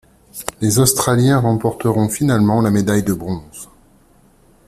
Les australiens remporteront finalement la médaille de bronze.